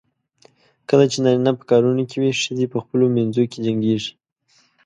کله چې نارینه په کارونو کې وي، ښځې په خپلو منځو کې جنګېږي.